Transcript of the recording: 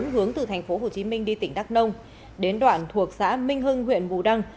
hướng từ thành phố hồ chí minh đi tỉnh đắk nông đến đoạn thuộc xã minh hưng huyện bù đăng